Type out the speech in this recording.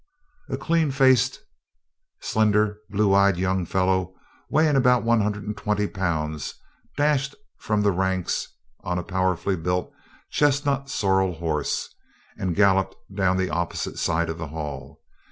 A clean faced, slender, blue eyed young fellow, weighing about one hundred and twenty pounds, dashed from the ranks on a powerfully built chestnut sorrel horse, and galloped down the opposite side of the hall.